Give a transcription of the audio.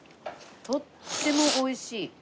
とってもおいしい。